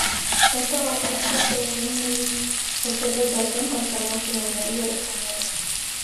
Այդտեղ ավելի շատ սովորում էին հոգևոր դասին պատկանող ծնողների երեխաները։